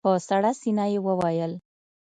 په سړه سينه يې وويل.